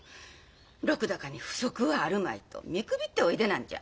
禄高に不足はあるまいと見くびっておいでなんじゃ。